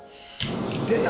「出た！」